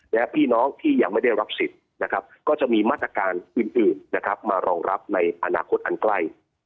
และพี่น้องที่ยังไม่ได้รับสิทธิ์นะครับก็จะมีมาตรการอื่นนะครับมารองรับในอนาคตอันใกล้